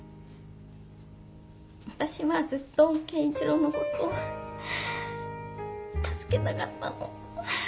私はずっと圭一郎のことを助けたかったの。